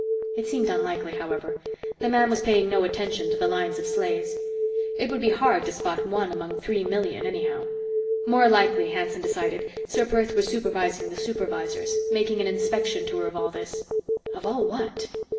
It seemed unlikely, however. The man was paying no attention to the lines of slaves. It would be hard to spot one among three million, anyhow. More likely, Hanson decided, Ser Perth was supervising the supervisors, making an inspection tour of all this. Of all what?